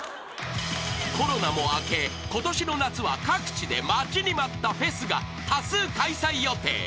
［コロナも明けことしの夏は各地で待ちに待ったフェスが多数開催予定］